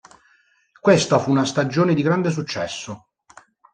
Questa fu una stagione di grande successo.